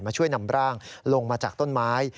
ช่วยนำร่างลงมาจากต้นไม้